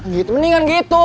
gitu mendingan gitu